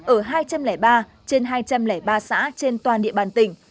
ở hai trăm linh ba trên hai trăm linh ba xã trên toàn địa bàn tỉnh